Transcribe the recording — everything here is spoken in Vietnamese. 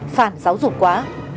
phản giáo dục quá